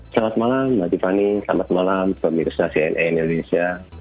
selamat malam mbak jipani selamat malam pemirsa cna indonesia